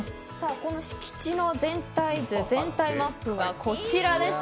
この敷地の全体図全体マップがこちらです。